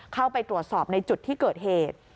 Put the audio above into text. เข้าไปตรวจสอบในจุดที่เกิดเหตุ